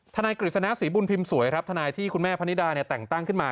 นายกฤษณะศรีบุญพิมพ์สวยครับทนายที่คุณแม่พนิดาแต่งตั้งขึ้นมา